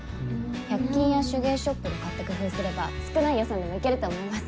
１００均や手芸ショップで買って工夫すれば少ない予算でもいけると思います。